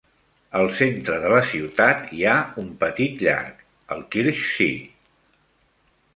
Al centre de la ciutat hi ha un petit llac, el Kirchsee.